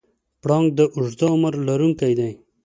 پړانګ د اوږده عمر لرونکی دی.